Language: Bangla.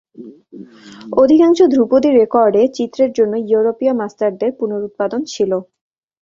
অধিকাংশ ধ্রুপদী রেকর্ডে চিত্রের জন্য ইউরোপীয় মাস্টারদের পুনরুৎপাদন ছিল।